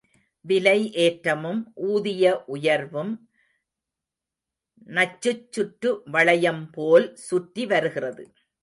விலை ஏற்றமும் ஊதிய உயர்வும் நச்சுச் சுற்று வளையம் போல் சுற்றி வருகிறது.